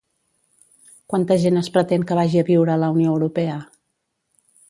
Quanta gent es pretén que vagi a viure a la Unió Europea?